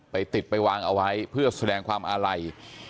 ไปติดไปวางเอาไว้เพื่อแสดงความอาลัย